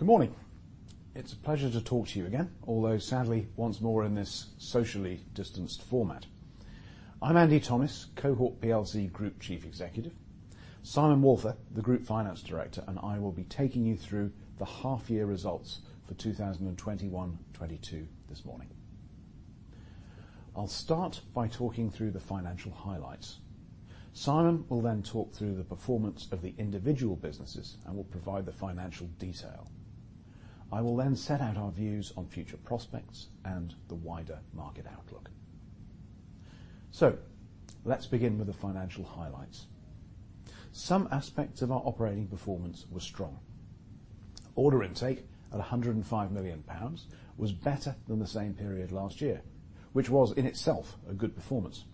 Good morning. It's a pleasure to talk to you again, although sadly, once more in this socially distanced format. I'm Andy Thomis, Cohort plc Group Chief Executive. Simon Walther, the Group Finance Director, and I will be taking you through the half year results for 2021/22 this morning. I'll start by talking through the financial highlights. Simon will then talk through the performance of the individual businesses and will provide the financial detail. I will then set out our views on future prospects and the wider market outlook. Let's begin with the financial highlights. Some aspects of our operating performance were strong. Order intake at 105 million pounds was better than the same period last year, which was in itself a good performance.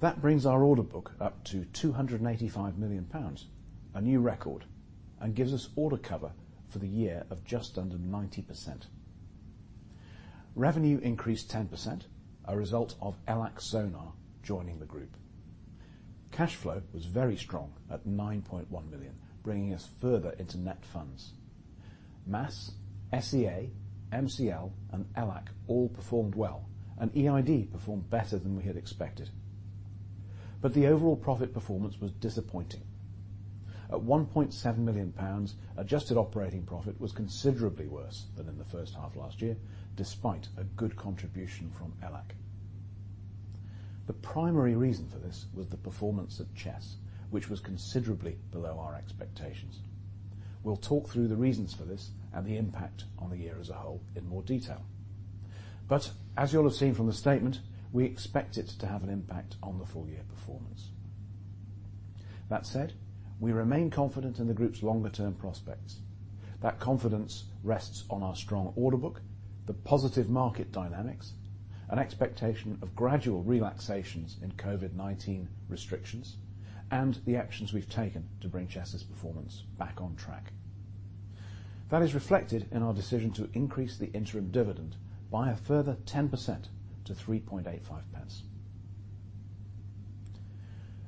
That brings our order book up to 285 million pounds, a new record, and gives us order cover for the year of just under 90%. Revenue increased 10%, a result of ELAC SONAR joining the group. Cash flow was very strong at 9.1 million, bringing us further into net funds. MASS, SEA, MCL, and ELAC SONAR all performed well, and EID performed better than we had expected. The overall profit performance was disappointing. At 1.7 million pounds, adjusted operating profit was considerably worse than in the H1 last year, despite a good contribution from ELAC SONAR. The primary reason for this was the performance of Chess, which was considerably below our expectations. We'll talk through the reasons for this and the impact on the year as a whole in more detail. As you'll have seen from the statement, we expect it to have an impact on the full year performance. That said, we remain confident in the group's longer term prospects. That confidence rests on our strong order book, the positive market dynamics, an expectation of gradual relaxations in COVID-19 restrictions, and the actions we've taken to bring Chess' performance back on track. That is reflected in our decision to increase the interim dividend by a further 10% to 3.85 pence.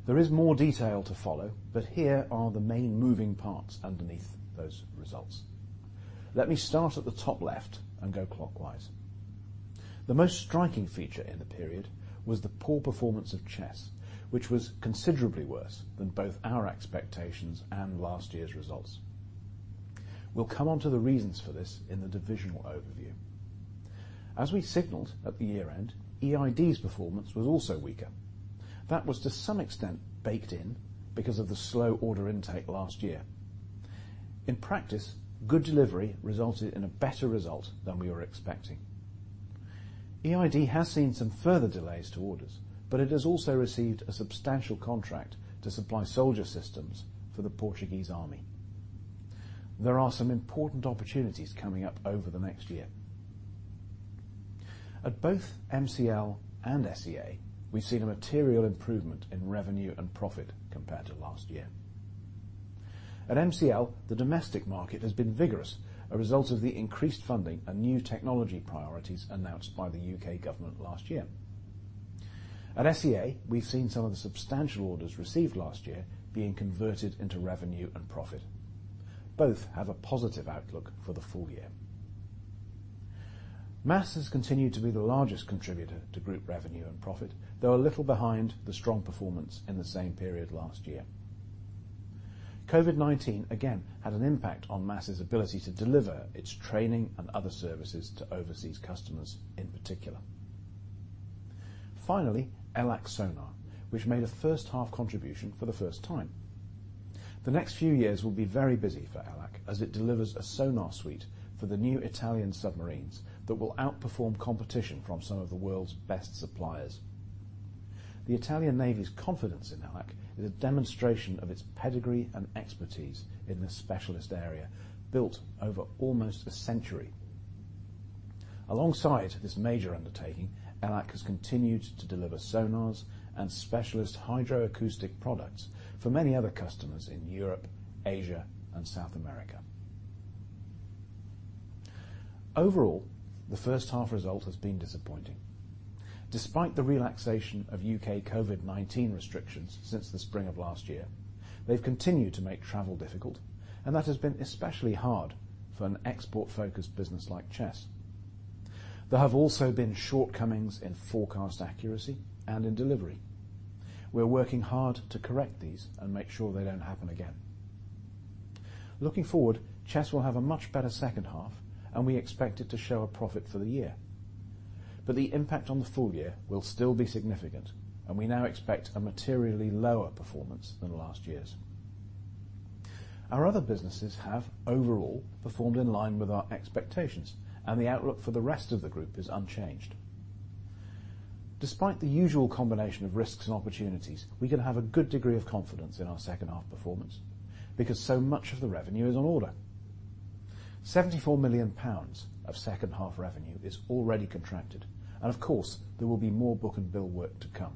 There is more detail to follow, but here are the main moving parts underneath those results. Let me start at the top left and go clockwise. The most striking feature in the period was the poor performance of Chess, which was considerably worse than both our expectations and last year's results. We'll come on to the reasons for this in the divisional overview. As we signaled at the year-end, EID's performance was also weaker. That was to some extent baked in because of the slow order intake last year. In practice, good delivery resulted in a better result than we were expecting. EID has seen some further delays to orders, but it has also received a substantial contract to supply soldier systems for the Portuguese Army. There are some important opportunities coming up over the next year. At both MCL and SEA, we've seen a material improvement in revenue and profit compared to last year. At MCL, the domestic market has been vigorous, a result of the increased funding and new technology priorities announced by the U.K. government last year. At SEA, we've seen some of the substantial orders received last year being converted into revenue and profit. Both have a positive outlook for the full year. MASS has continued to be the largest contributor to group revenue and profit, though a little behind the strong performance in the same period last year. COVID-19, again, had an impact on MASS' ability to deliver its training and other services to overseas customers in particular. Finally, ELAC SONAR, which made a first-half contribution for the first time. The next few years will be very busy for ELAC SONAR as it delivers a sonar suite for the new Italian submarines that will outperform competition from some of the world's best suppliers. The Italian Navy's confidence in ELAC SONAR is a demonstration of its pedigree and expertise in this specialist area built over almost a century. Alongside this major undertaking, ELAC SONAR has continued to deliver sonars and specialist hydroacoustic products for many other customers in Europe, Asia, and South America. Overall, the first half result has been disappointing. Despite the relaxation of U.K. COVID-19 restrictions since the spring of last year, they've continued to make travel difficult, and that has been especially hard for an export-focused business like Chess. There have also been shortcomings in forecast accuracy and in delivery. We're working hard to correct these and make sure they don't happen again. Looking forward, Chess will have a much better second half, and we expect it to show a profit for the year. But the impact on the full year will still be significant, and we now expect a materially lower performance than last year's. Our other businesses have overall performed in line with our expectations, and the outlook for the rest of the group is unchanged. Despite the usual combination of risks and opportunities, we can have a good degree of confidence in our second half performance because so much of the revenue is on order. 70 million pounds of second half revenue is already contracted, and of course, there will be more book-and-bill work to come.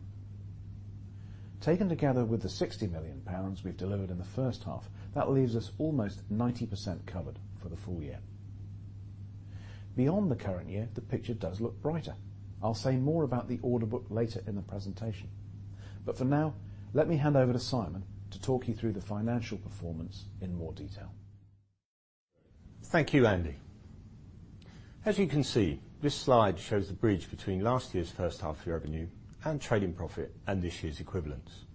Taken together with the 60 million pounds we've delivered in the first half, that leaves us almost 90% covered for the full year. Beyond the current year, the picture does look brighter. I'll say more about the order book later in the presentation. For now, let me hand over to Simon to talk you through the financial performance in more detail. Thank you, Andy. As you can see, this slide shows the bridge between last year's first half year revenue and trading profit and this year's equivalents.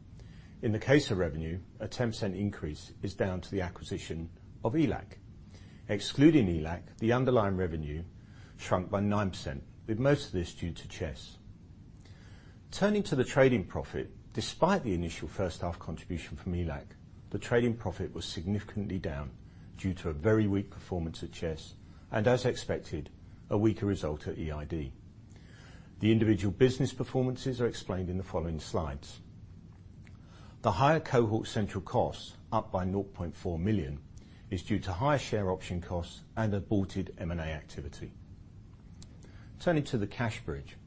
In the case of revenue, a 10% increase is down to the acquisition of ELAC. Excluding ELAC, the underlying revenue shrunk by 9%, with most of this due to Chess. Turning to the trading profit, despite the initial first half contribution from ELAC, the trading profit was significantly down due to a very weak performance at Chess and, as expected, a weaker result at EID. The individual business performances are explained in the following slides. The higher Cohort central costs, up by 0.4 million, is due to higher share option costs and aborted M&A activity. Turning to the cash bridge.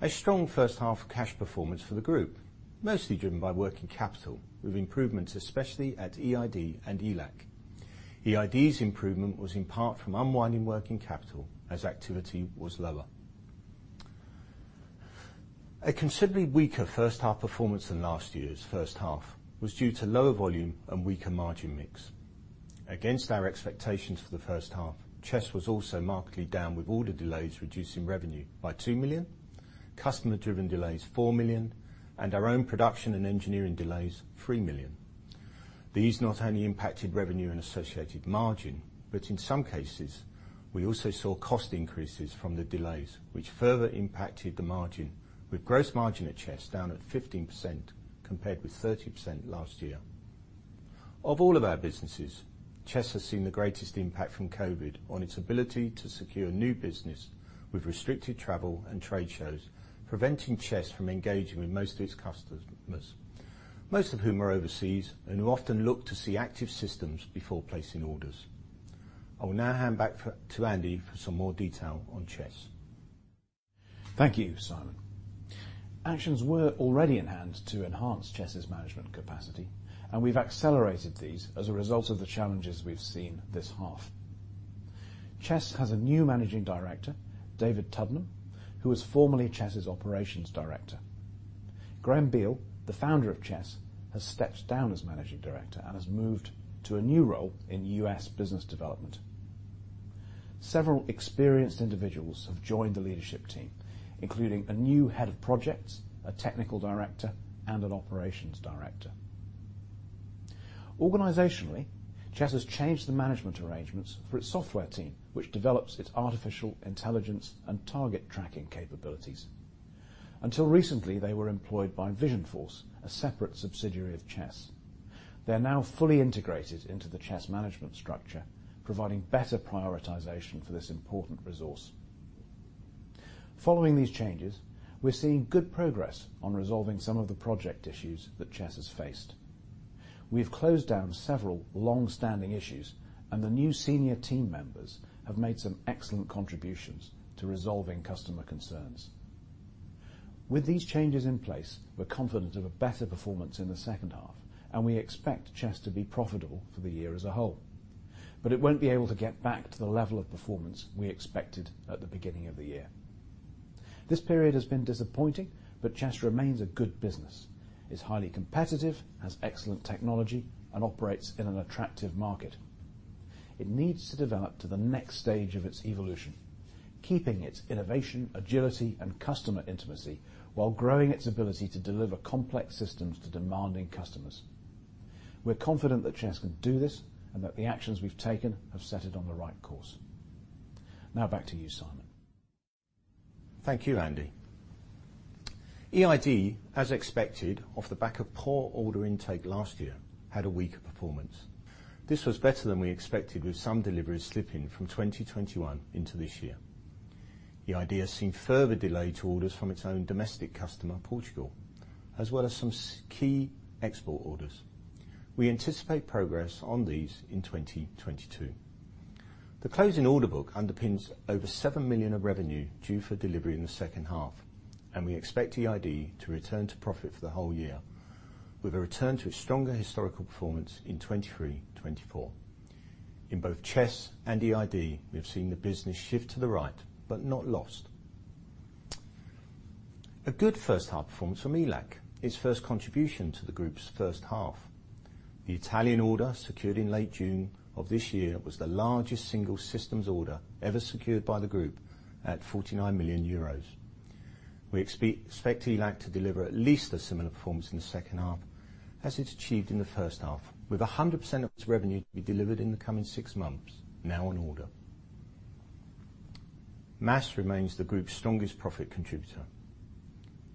A strong first half cash performance for the group, mostly driven by working capital, with improvements, especially at EID and ELAC. EID's improvement was in part from unwinding working capital as activity was lower. A considerably weaker first half performance than last year's first half was due to lower volume and weaker margin mix. Against our expectations for the first half, Chess was also markedly down with order delays reducing revenue by 2 million, customer-driven delays, 4 million, and our own production and engineering delays, 3 million. These not only impacted revenue and associated margin, but in some cases, we also saw cost increases from the delays, which further impacted the margin with gross margin at Chess down at 15% compared with 30% last year. Of all of our businesses, Chess has seen the greatest impact from COVID on its ability to secure new business with restricted travel and trade shows, preventing Chess from engaging with most of its customers, most of whom are overseas and who often look to see active systems before placing orders. I will now hand back to Andy for some more detail on Chess. Thank you, Simon. Actions were already in hand to enhance Chess' management capacity, and we've accelerated these as a result of the challenges we've seen this half. Chess has a new managing director, David Tuddenham, who was formerly Chess' operations director. Graham Beall, the founder of Chess, has stepped down as managing director and has moved to a new role in U.S. business development. Several experienced individuals have joined the leadership team, including a new head of projects, a technical director, and an operations director. Organizationally, Chess has changed the management arrangements for its software team, which develops its artificial intelligence and target tracking capabilities. Until recently, they were employed by Vision4ce, a separate subsidiary of Chess. They're now fully integrated into the Chess management structure, providing better prioritization for this important resource. Following these changes, we're seeing good progress on resolving some of the project issues that Chess has faced. We've closed down several long-standing issues, and the new senior team members have made some excellent contributions to resolving customer concerns. With these changes in place, we're confident of a better performance in the second half, and we expect Chess to be profitable for the year as a whole. It won't be able to get back to the level of performance we expected at the beginning of the year. This period has been disappointing, but Chess remains a good business. It's highly competitive, has excellent technology, and operates in an attractive market. It needs to develop to the next stage of its evolution, keeping its innovation, agility, and customer intimacy while growing its ability to deliver complex systems to demanding customers. We're confident that Chess can do this and that the actions we've taken have set it on the right course. Now back to you, Simon. Thank you, Andy. EID, as expected, off the back of poor order intake last year, had a weaker performance. This was better than we expected with some deliveries slipping from 2021 into this year. EID has seen further delay to orders from its own domestic customer, Portugal, as well as some key export orders. We anticipate progress on these in 2022. The closing order book underpins over 7 million of revenue due for delivery in the second half, and we expect EID to return to profit for the whole year with a return to a stronger historical performance in 2023, 2024. In both Chess and EID, we have seen the business shift to the right but not lost. A good first half performance from ELAC, its first contribution to the group's first half. The Italian order, secured in late June of this year, was the largest single systems order ever secured by the group at 49 million euros. We expect ELAC to deliver at least a similar performance in the second half as it achieved in the first half, with 100% of its revenue to be delivered in the coming six months now on order. MASS remains the group's strongest profit contributor.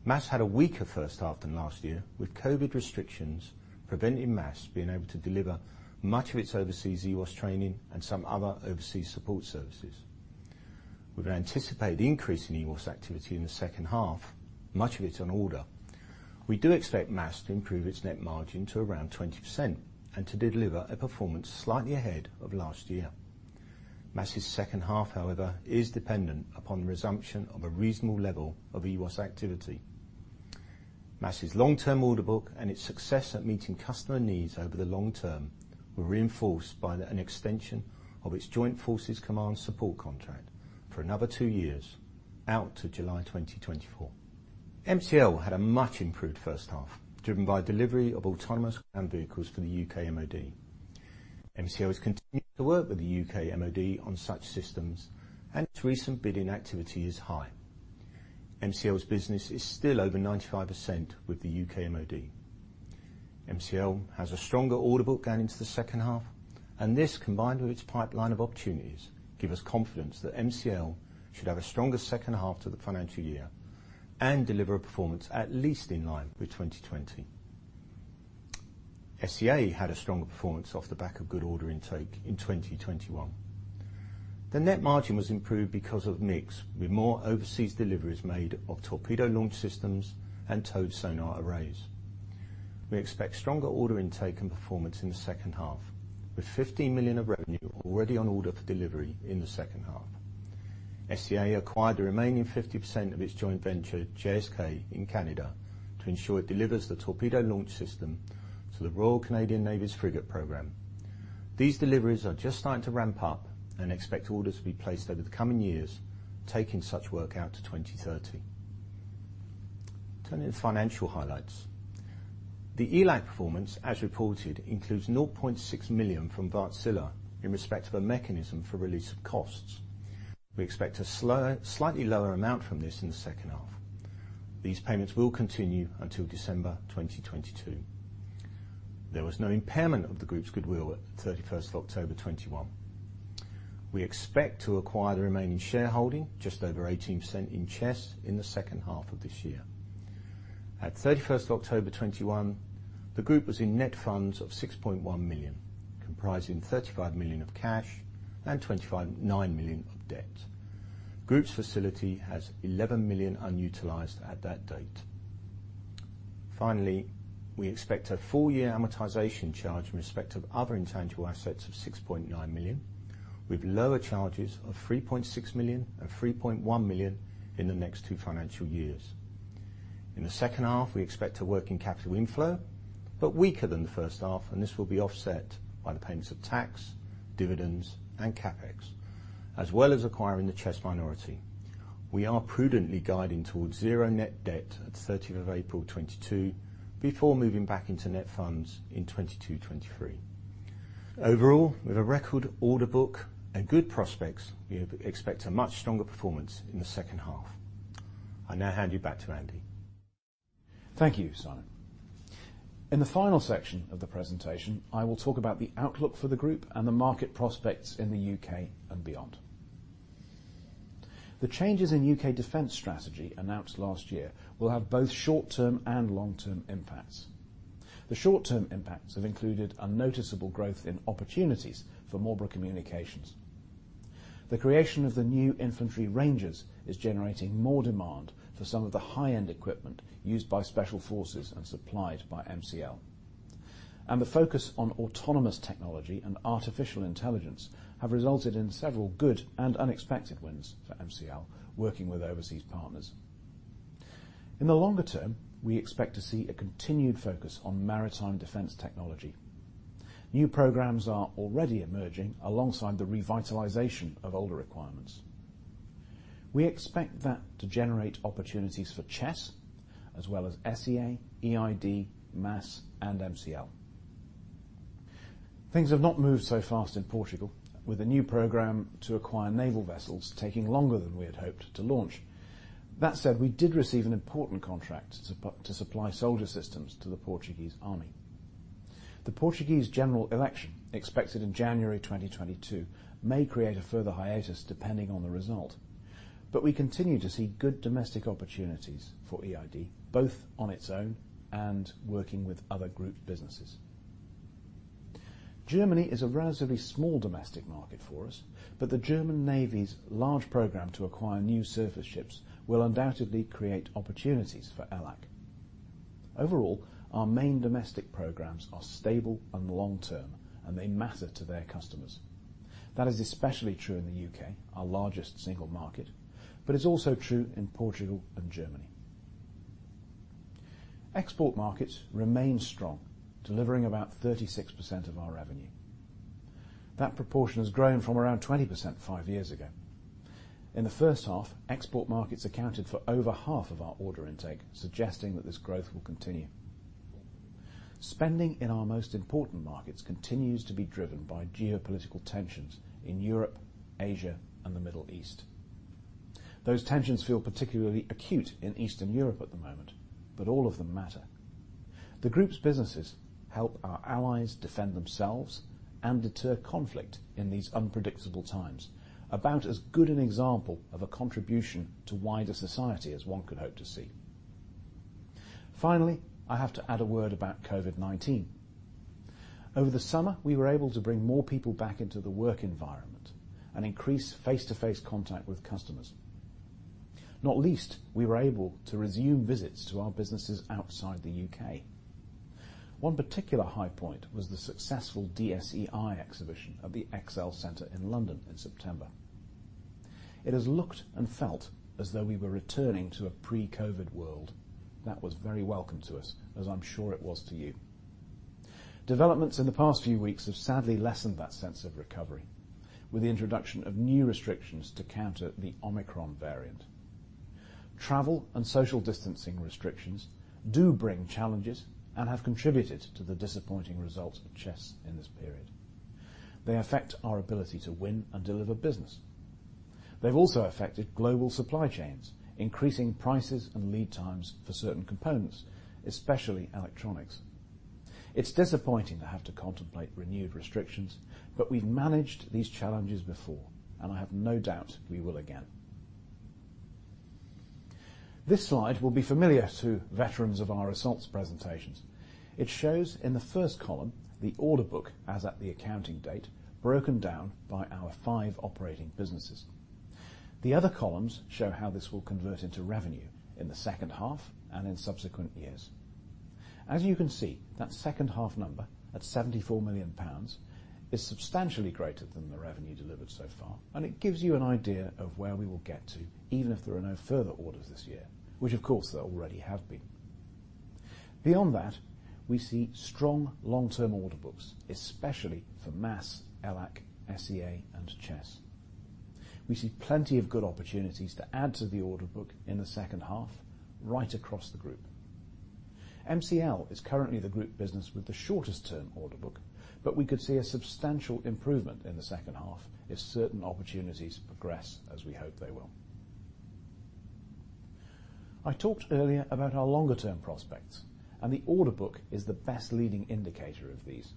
MASS had a weaker first half than last year with COVID restrictions preventing MASS being able to deliver much of its overseas EOS training and some other overseas support services. We anticipate the increase in EOS activity in the second half, much of it on order. We do expect MASS to improve its net margin to around 20% and to deliver a performance slightly ahead of last year. MASS's second half, however, is dependent upon the resumption of a reasonable level of EOS activity. MASS's long-term order book and its success at meeting customer needs over the long term were reinforced by an extension of its Joint Warfare Support contract for another two years out to July 2024. MCL had a much improved first half, driven by delivery of autonomous ground vehicles for the UK MOD. MCL has continued to work with the UK MOD on such systems, and its recent bidding activity is high. MCL's business is still over 95% with the UK MOD. MCL has a stronger order book going into the second half, and this, combined with its pipeline of opportunities, give us confidence that MCL should have a strongerH2 to the financial year and deliver a performance at least in line with 2020. SEA had a stronger performance off the back of good order intake in 2021. The net margin was improved because of mix, with more overseas deliveries made of torpedo launch systems and towed sonar arrays. We expect stronger order intake and performance in the second half, with 50 million of revenue already on order for delivery in the second half. SEA acquired the remaining 50% of its joint venture, JSK, in Canada to ensure it delivers the torpedo launch system to the Royal Canadian Navy's frigate program. These deliveries are just starting to ramp up and we expect orders to be placed over the coming years, taking such work out to 2030. Turning to financial highlights. The ELAC performance, as reported, includes 0.6 million from Wärtsilä in respect of a mechanism for release of costs. We expect a slightly lower amount from this in the second half. These payments will continue until December 2022. There was no impairment of the group's goodwill at 31st of October 2021. We expect to acquire the remaining shareholding, just over 18%, in Chess in the H2 of this year. At 31st of October 2021, the group was in net funds of 6.1 million, comprising 35 million of cash and 25.9 million of debt. Group's facility has 11 million unutilized at that date. Finally, we expect a full-year amortization charge in respect of other intangible assets of 6.9 million, with lower charges of 3.6 million and 3.1 million in the next two financial years. In the second half, we expect a working capital inflow, but weaker than the first half, and this will be offset by the payments of tax, dividends, and CapEx, as well as acquiring the Chess minority. We are prudently guiding towards zero net debt at 13th of April 2022 before moving back into net funds in 2022, 2023. Overall, with a record order book and good prospects, we expect a much stronger performance in the second half. I now hand you back to Andy. Thank you, Simon. In the final section of the presentation, I will talk about the outlook for the group and the market prospects in the U.K. and beyond. The changes in U.K. defense strategy announced last year will have both short-term and long-term impacts. The short-term impacts have included a noticeable growth in opportunities for Marlborough Communications. The creation of the new Ranger Regiment is generating more demand for some of the high-end equipment used by Special Forces and supplied by MCL. The focus on autonomous technology and artificial intelligence have resulted in several good and unexpected wins for MCL working with overseas partners. In the longer term, we expect to see a continued focus on maritime defense technology. New programs are already emerging alongside the revitalization of older requirements. We expect that to generate opportunities for Chess as well as SEA, EID, MASS, and MCL. Things have not moved so fast in Portugal with a new program to acquire naval vessels taking longer than we had hoped to launch. That said, we did receive an important contract to supply soldier systems to the Portuguese Army. The Portuguese general election, expected in January 2022, may create a further hiatus depending on the result. We continue to see good domestic opportunities for EID, both on its own and working with other group businesses. Germany is a relatively small domestic market for us, but the German Navy's large program to acquire new surface ships will undoubtedly create opportunities for ELAC. Overall, our main domestic programs are stable and long-term, and they matter to their customers. That is especially true in the U.K., our largest single market, but it's also true in Portugal and Germany. Export markets remain strong, delivering about 36% of our revenue. That proportion has grown from around 20% 5 years ago. In the first half, export markets accounted for over half of our order intake, suggesting that this growth will continue. Spending in our most important markets continues to be driven by geopolitical tensions in Europe, Asia, and the Middle East. Those tensions feel particularly acute in Eastern Europe at the moment, but all of them matter. The group's businesses help our allies defend themselves and deter conflict in these unpredictable times. About as good an example of a contribution to wider society as one could hope to see. Finally, I have to add a word about COVID-19. Over the summer, we were able to bring more people back into the work environment and increase face-to-face contact with customers. Not least, we were able to resume visits to our businesses outside the U.K. One particular high point was the successful DSEI exhibition at the ExCeL Center in London in September. It has looked and felt as though we were returning to a pre-COVID world. That was very welcome to us, as I'm sure it was to you. Developments in the past few weeks have sadly lessened that sense of recovery with the introduction of new restrictions to counter the Omicron variant. Travel and social distancing restrictions do bring challenges and have contributed to the disappointing results at Chess in this period. They affect our ability to win and deliver business. They've also affected global supply chains, increasing prices and lead times for certain components, especially electronics. It's disappointing to have to contemplate renewed restrictions, but we've managed these challenges before, and I have no doubt we will again. This slide will be familiar to veterans of our results presentations. It shows in the first column the order book as at the accounting date, broken down by our five operating businesses. The other columns show how this will convert into revenue in the second half and in subsequent years. As you can see, that second-half number at 74 million pounds is substantially greater than the revenue delivered so far, and it gives you an idea of where we will get to, even if there are no further orders this year, which of course there already have been. Beyond that, we see strong long-term order books, especially for MASS, ELAC, SEA and Chess. We see plenty of good opportunities to add to the order book in the second half right across the group. MCL is currently the group business with the shortest-term order book, but we could see a substantial improvement in the second half if certain opportunities progress as we hope they will. I talked earlier about our longer-term prospects, and the order book is the best leading indicator of these.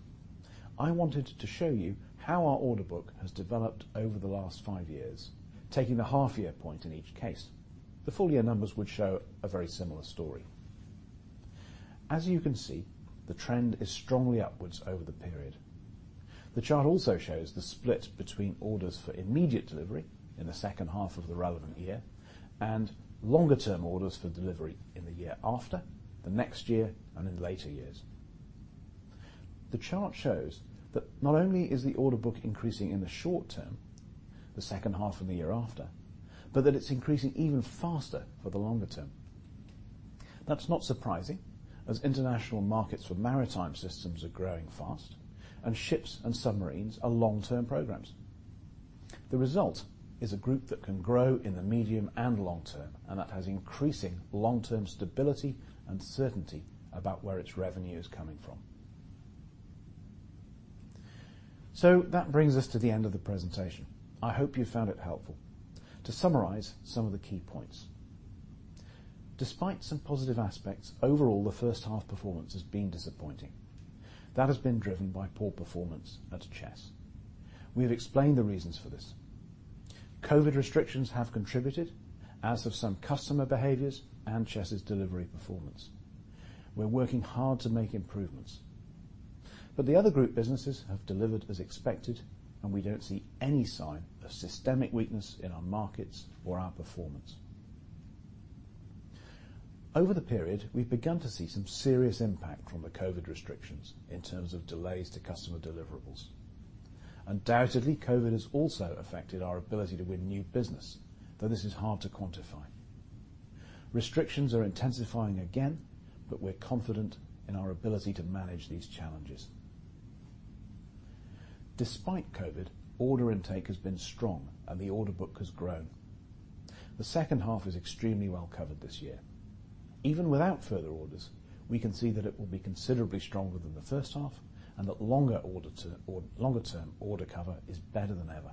I wanted to show you how our order book has developed over the last five years, taking the half-year point in each case. The full-year numbers would show a very similar story. As you can see, the trend is strongly upward over the period. The chart also shows the split between orders for immediate delivery in the second half of the relevant year and longer-term orders for delivery in the year after, the next year and in later years. The chart shows that not only is the order book increasing in the short term, the second half of the year after, but that it's increasing even faster for the longer term. That's not surprising, as international markets for maritime systems are growing fast, and ships and submarines are long-term programs. The result is a group that can grow in the medium and long term, and that has increasing long-term stability and certainty about where its revenue is coming from. That brings us to the end of the presentation. I hope you found it helpful. To summarize some of the key points. Despite some positive aspects, overall, the first half performance has been disappointing. That has been driven by poor performance at Chess. We have explained the reasons for this. COVID restrictions have contributed as well as some customer behaviors and Chess' delivery performance. We're working hard to make improvements, but the other group businesses have delivered as expected, and we don't see any sign of systemic weakness in our markets or our performance. Over the period, we've begun to see some serious impact from the COVID restrictions in terms of delays to customer deliverables. Undoubtedly, COVID has also affected our ability to win new business, though this is hard to quantify. Restrictions are intensifying again, but we're confident in our ability to manage these challenges. Despite COVID, order intake has been strong and the order book has grown. The second half is extremely well covered this year. Even without further orders, we can see that it will be considerably stronger than the first half and that longer-term order cover is better than ever.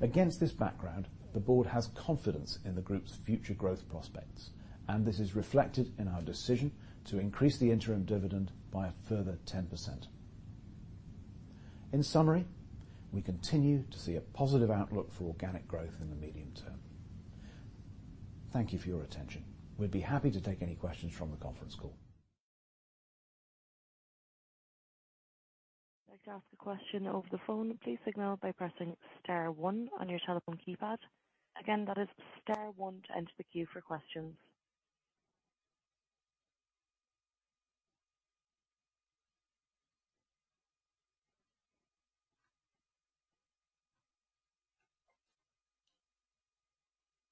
Against this background, the board has confidence in the group's future growth prospects, and this is reflected in our decision to increase the interim dividend by a further 10%. In summary, we continue to see a positive outlook for organic growth in the medium term. Thank you for your attention. We'd be happy to take any questions from the conference call. If you'd like to ask a question over the phone, please signal by pressing star one on your telephone keypad. Again, that is star one to enter the queue for questions.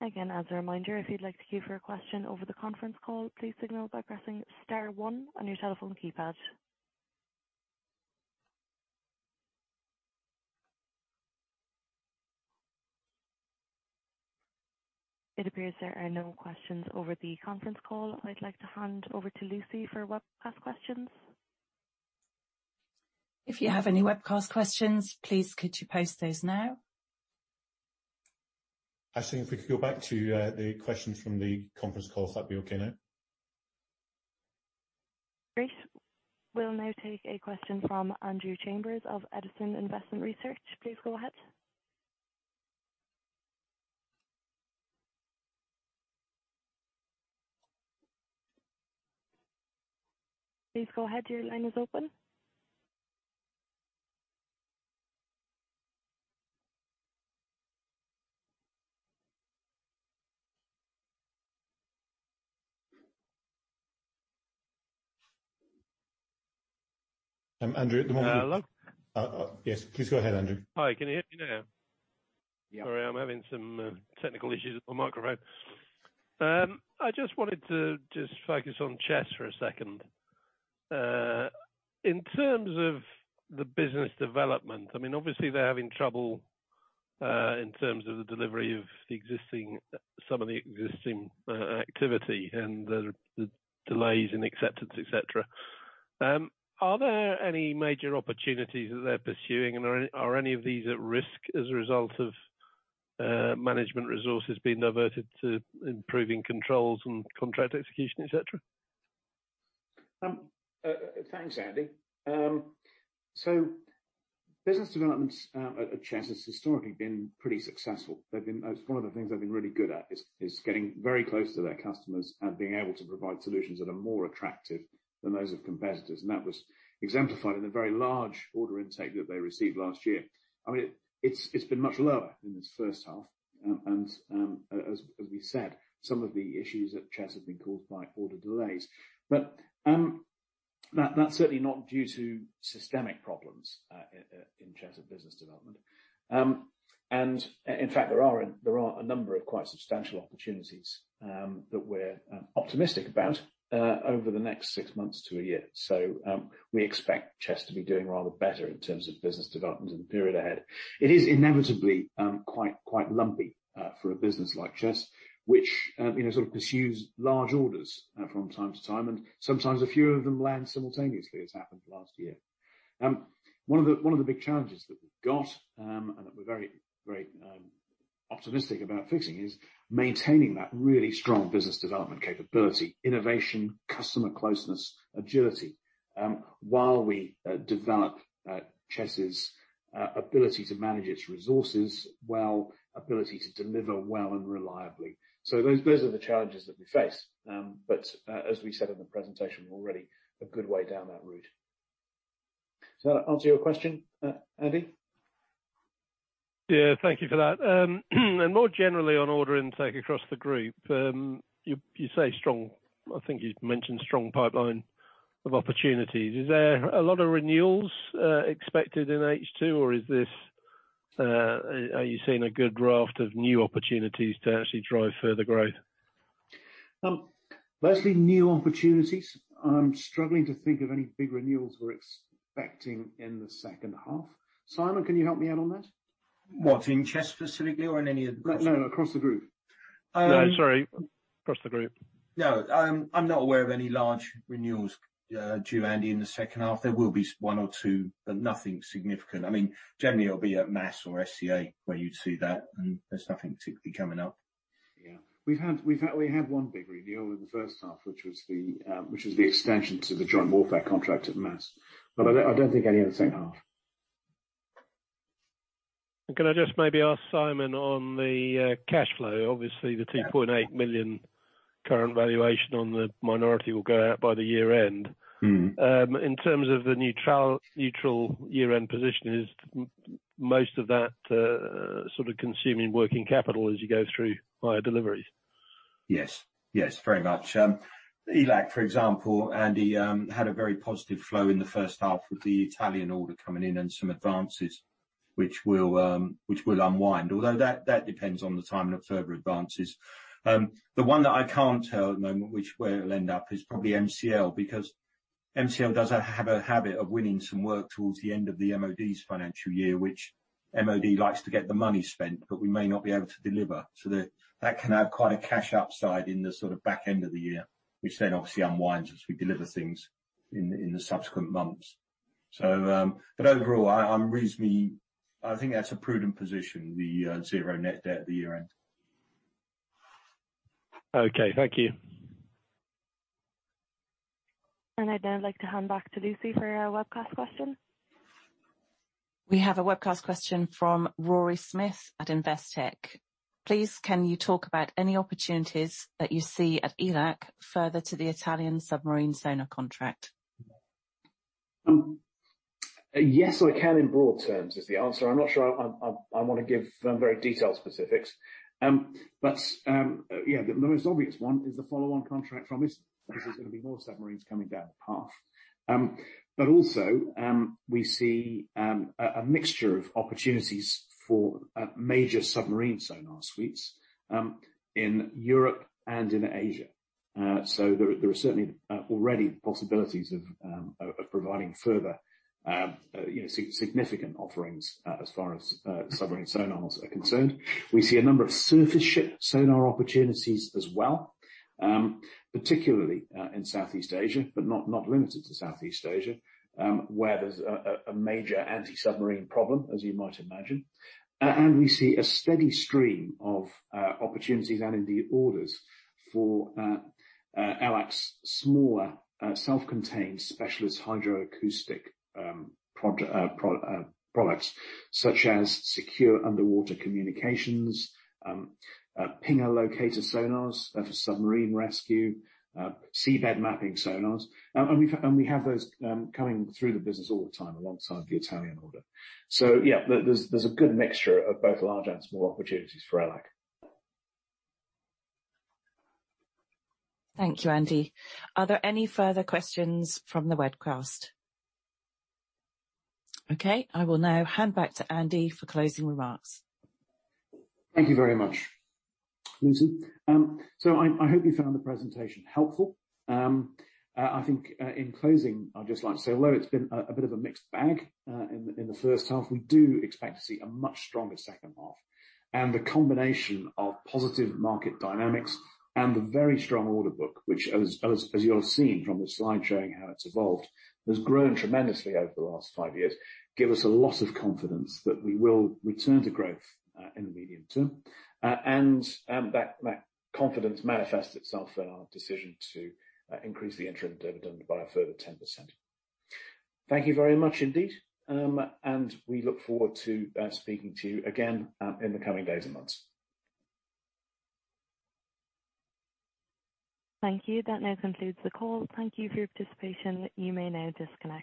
Again, as a reminder, if you'd like to queue for a question over the conference call, please signal by pressing star one on your telephone keypad. It appears there are no questions over the conference call. I'd like to hand over to Lucy for webcast questions. If you have any webcast questions, please could you post those now? I think if we could go back to the questions from the conference call, if that'd be okay now. Great. We'll now take a question from Andrew Chambers of Edison Investment Research. Please go ahead. Your line is open. Andrew, at the moment. Hello? Yes. Please go ahead, Andrew. Hi, can you hear me now? Yeah. Sorry, I'm having some technical issues with my microphone. I just wanted to focus on Chess for a second. In terms of the business development, I mean, obviously they're having trouble in terms of the delivery of some of the existing activity and the delays in acceptance, et cetera. Are there any major opportunities that they're pursuing, and are any of these at risk as a result of management resources being diverted to improving controls and contract execution, et cetera? Thanks, Andy. Business developments at Chess has historically been pretty successful. That's one of the things they've been really good at, is getting very close to their customers and being able to provide solutions that are more attractive than those of competitors, and that was exemplified in the very large order intake that they received last year. I mean, it's been much lower in this first half, and as we said, some of the issues at Chess have been caused by order delays. That's certainly not due to systemic problems in Chess business development. In fact, there are a number of quite substantial opportunities that we're optimistic about over the next six months to a year. We expect Chess to be doing rather better in terms of business development in the period ahead. It is inevitably quite lumpy for a business like Chess, which you know sort of pursues large orders from time to time, and sometimes a few of them land simultaneously, as happened last year. One of the big challenges that we've got and that we're very optimistic about fixing is maintaining that really strong business development capability, innovation, customer closeness, agility while we develop Chess' ability to manage its resources well, ability to deliver well and reliably. Those are the challenges that we face. As we said in the presentation, we're already a good way down that route. Does that answer your question, Andy? Yeah, thank you for that. More generally on order intake across the group, I think you mentioned strong pipeline of opportunities. Is there a lot of renewals expected in H2, or are you seeing a good raft of new opportunities to actually drive further growth? Mostly new opportunities. I'm struggling to think of any big renewals we're expecting in the second half. Simon, can you help me out on that? What, in Chess specifically or in any of the groups? No, no, across the group. Um- No, sorry. Across the group. No, I'm not aware of any large renewals due, Andy, in the second half. There will be one or two, but nothing significant. I mean, generally it'll be at MASS or SEA where you'd see that, and there's nothing particularly coming up. Yeah. We had one big renewal in the first half, which was the extension to the Joint Warfare contract at MASS. I don't think any in the second half. Can I just maybe ask Simon on the cash flow? Obviously the 2.8 million current valuation on the minority will go out by the year end. Mm-hmm. In terms of the neutral year-end position, is most of that sort of consuming working capital as you go through via deliveries? Yes. Yes, very much. ELAC, for example, Andy, had a very positive flow in the first half with the Italian order coming in and some advances which will unwind. Although that depends on the timing of further advances. The one that I can't tell at the moment which way it'll end up is probably MCL, because MCL does have a habit of winning some work towards the end of the MOD's financial year, which MOD likes to get the money spent, but we may not be able to deliver. That can have quite a cash upside in the sort of back end of the year, which then obviously unwinds as we deliver things in the subsequent months. But overall, I'm reasonably. I think that's a prudent position, the zero net debt at the year-end. Okay, thank you. I'd now like to hand back to Lucy for our webcast question. We have a webcast question from Rory Smith at Investec. Please, can you talk about any opportunities that you see at ELAC further to the Italian submarine sonar contract? Yes, in broad terms, is the answer. I'm not sure I wanna give very detailed specifics. The most obvious one is the follow-on contract from this, because there's gonna be more submarines coming down the path. We also see a mixture of opportunities for major submarine sonar suites in Europe and in Asia. There are certainly already possibilities of providing further, you know, significant offerings as far as submarine sonars are concerned. We see a number of surface ship sonar opportunities as well, particularly in Southeast Asia, but not limited to Southeast Asia, where there's a major anti-submarine problem, as you might imagine. We see a steady stream of opportunities and indeed orders for ELAC's smaller self-contained specialist hydroacoustic products such as secure underwater communications, pinger localisation sonars for submarine rescue, seabed mapping sonars. We have those coming through the business all the time alongside the Italian order. Yeah, there's a good mixture of both large and small opportunities for ELAC. Thank you, Andy. Are there any further questions from the webcast? Okay, I will now hand back to Andy for closing remarks. Thank you very much, Lucy. So I hope you found the presentation helpful. I think in closing, I'd just like to say although it's been a bit of a mixed bag in the first half, we do expect to see a much stronger second half. The combination of positive market dynamics and the very strong order book, which as you'll have seen from the slide showing how it's evolved, has grown tremendously over the last five years, give us a lot of confidence that we will return to growth in the medium term. That confidence manifests itself in our decision to increase the interim dividend by a further 10%. Thank you very much indeed, and we look forward to speaking to you again in the coming days and months. Thank you. That now concludes the call. Thank you for your participation. You may now disconnect.